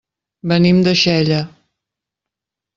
Venim de Xella.